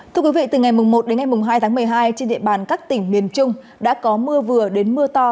thưa quý vị từ ngày một đến ngày hai tháng một mươi hai trên địa bàn các tỉnh miền trung đã có mưa vừa đến mưa to